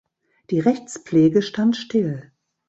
Die Rechtspflege stand still.